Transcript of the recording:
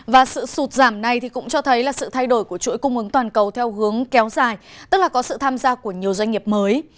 và sự sụt giảm này cũng cho thấy là sự thay đổi của chuỗi cung ứng toàn cầu theo hướng kéo dài tức là có sự tham gia của nhiều doanh nghiệp mới